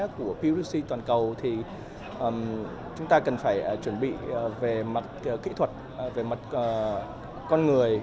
theo báo cáo đánh giá của pwc toàn cầu thì chúng ta cần phải chuẩn bị về mặt kỹ thuật về mặt con người